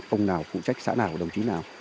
ông nào phụ trách xã nào đồng chí nào